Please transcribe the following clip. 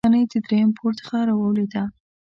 ګلدانۍ د دریم پوړ څخه راولوېده